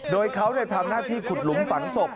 โดยเขาทำหน้าที่ขุดหลุมฝังศพ